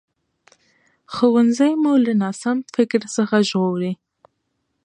ښوونځی مو له ناسم فکر څخه ژغوري